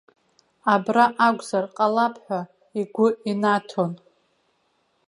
Абра акәзар ҟалап ҳәа игәы инаҭон.